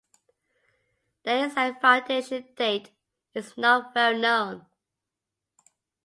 The exact foundation date is not well known.